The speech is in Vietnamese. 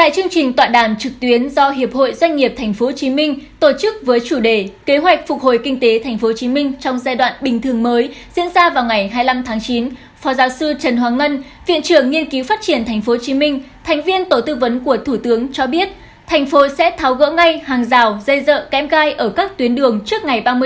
các bạn hãy đăng ký kênh để ủng hộ kênh của chúng mình nhé